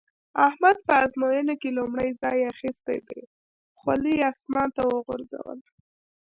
احمد په ازموينه کې لومړی ځای اخيستی دی؛ خولۍ يې اسمان ته وغورځوله.